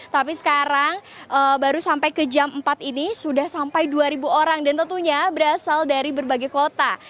tapi sekarang baru sampai ke jam empat ini sudah sampai dua orang dan tentunya berasal dari berbagai kota